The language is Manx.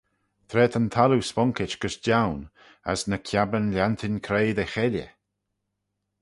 Tra ta'n thalloo sponkit gys joan, as ny ceabyn lhiantyn creoi dy cheilley?